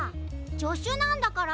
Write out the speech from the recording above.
じょしゅなんだから。